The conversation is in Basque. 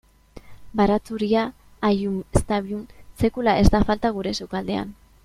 Baratxuria, Allium sativum, sekula ez da falta gure sukaldean.